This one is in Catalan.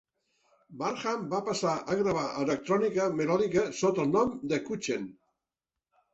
Barham va passar a gravar electrònica melòdica sota el nom de Kuchen.